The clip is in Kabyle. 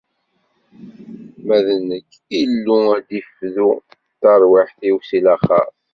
Ma d nekk, Illu ad d-ifdu tarwiḥt-iw si laxert.